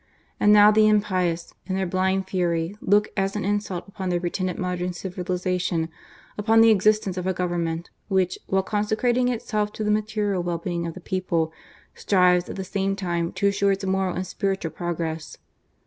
And now the impious, in their blind fury, look, as an insult upon their pretended modern civilization, upon the exist ence of a Government, which, while consecrating itself to the material well being of the people, strives at the same time to assure its moral and spiritual progress.